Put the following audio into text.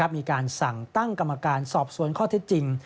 มีการสั่งตั้งกรรมการสอบสวนข้อเท็จจริง